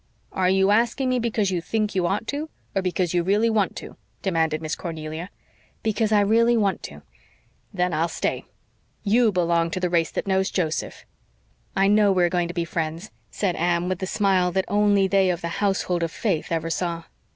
"Are you asking me because you think you ought to, or because you really want to?" demanded Miss Cornelia. "Because I really want to." "Then I'll stay. YOU belong to the race that knows Joseph." "I know we are going to be friends," said Anne, with the smile that only they of the household of faith ever saw.